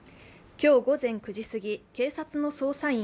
今日午前９時すぎ、警察の捜査員